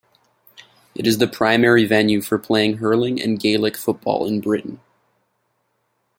It is the primary venue for playing hurling and Gaelic football in Britain.